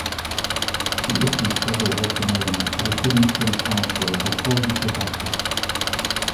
He issued several ultimatums to the sitting City Council before he took office.